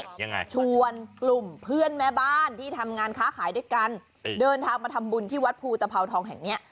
ยังไงชวนกลุ่มเพื่อนแม่บ้านที่ทำงานค้าขายด้วยกันอืมเดินทางมาทำบุญที่วัดภูตภาวทองแห่งเนี้ย